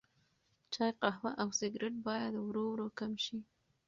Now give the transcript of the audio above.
چای، قهوه او سګرټ باید ورو ورو کم شي.